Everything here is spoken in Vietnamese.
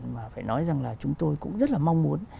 mà phải nói rằng là chúng tôi cũng rất là mong muốn